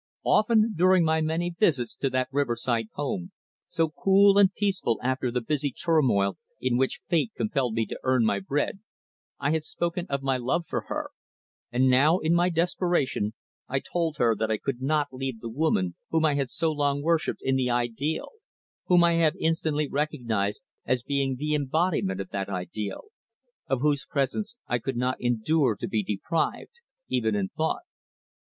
Often during my many visits to that riverside house, so cool and peaceful after the busy turmoil in which fate compelled me to earn my bread, I had spoken of my love for her, and now in my desperation I told her that I could not leave the woman whom I had so long worshipped in the ideal, whom I had instantly recognised as being the embodiment of that ideal, of whose presence I could not endure to be deprived even in thought.